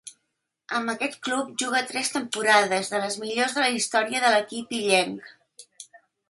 Amb aquest club juga tres temporades, de les millors de la història de l'equip illenc.